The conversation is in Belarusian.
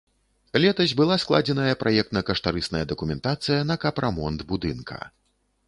Летась была складзеная праектна-каштарысная дакументацыя на капрамонт будынка.